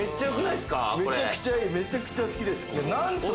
めちゃくちゃ好きです、ここ。